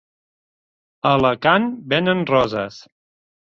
A Alacant venen roses.